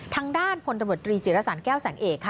ทางด้านพลตรวจตรีจิรสรรแก้วแสนเอก